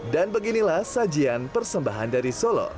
dan beginilah sajian persembahan dari solo